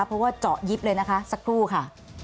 เพราะว่าเจาะยิบเลยนะคะสักครู่ค่ะ